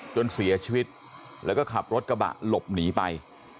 จนเสียชีวิตแล้วก็ขับรถกระบะหลบหนีไป